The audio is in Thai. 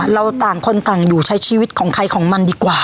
เราต่างคนต่างอยู่ใช้ชีวิตของใครของมันดีกว่า